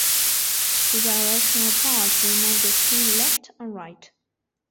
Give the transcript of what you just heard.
The directional pad will move the screen left and right.